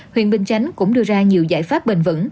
huyện bình chánh cũng đưa ra nhiều giải pháp bền vững